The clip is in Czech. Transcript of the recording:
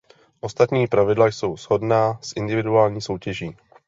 Ostatní pravidla jsou shodná s individuální soutěží.